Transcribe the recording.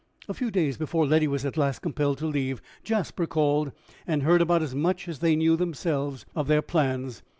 A few days before Letty was at last compelled to leave, Jasper called, and heard about as much as they knew themselves of their plans.